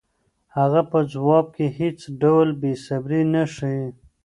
هغه په ځواب کې هېڅ ډول بېصبري نه ښيي.